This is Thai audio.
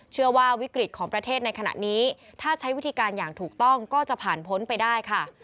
เชื่อว่าวิกฤตของประเทศในขณะนี้ถ้าใช้วิธีการอย่างถูกต้องก็จะผ่านพ้นไปได้ค่ะ